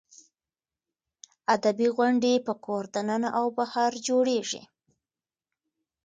ادبي غونډې په کور دننه او بهر جوړېږي.